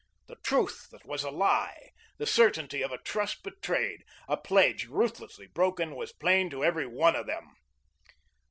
The truth that was a lie, the certainty of a trust betrayed, a pledge ruthlessly broken, was plain to every one of them.